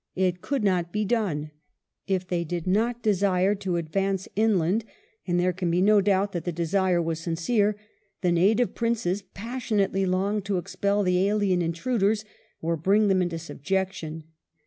It could not be done. If they did not desire to advance inland, and there, can be no doubt that the desire was sincere, the Native Princes passionately longed to expel the alien intruders, or bring them into subjection.